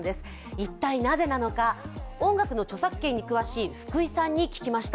一体なぜなのか、音楽の著作権に詳しい福井さんに聞きました。